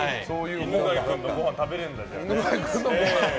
犬飼君のごはん食べられるんだ。